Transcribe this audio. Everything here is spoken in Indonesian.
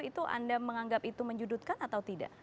itu anda menganggap itu menjudutkan atau tidak